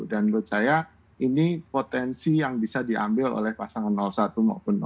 dan menurut saya ini potensi yang bisa diambil oleh pasangan satu maupun tiga